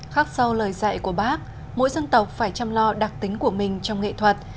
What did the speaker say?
khác sau lời dạy của bác mỗi dân tộc phải chăm lo đặc tính của mình trong nghệ thuật